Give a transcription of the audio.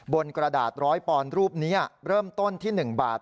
กระดาษร้อยปอนด์รูปนี้เริ่มต้นที่๑บาท